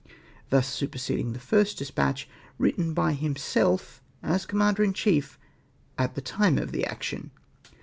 thus superseding the first despatch Avritten by himself as Commander in chief at the time of the action